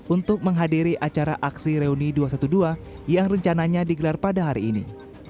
untuk menghadiri acara aksi reuni dua ratus dua belas yang rencananya digelar pada hari ini